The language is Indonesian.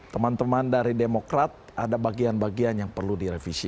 teman teman dari demokrat ada bagian bagian yang perlu direvisi